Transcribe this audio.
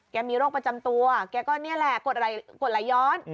มีโรคประจำตัวแกก็นี่แหละกดไหลย้อน